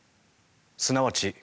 すなわち。